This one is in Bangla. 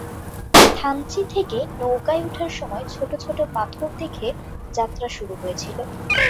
থানচি থেকে নৌকায় উঠার সময় ছোটছোট পাথর দেখে যাত্রা শুরু হয়েছিল।